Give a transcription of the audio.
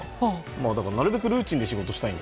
なるべくルーチンで仕事をしたいので。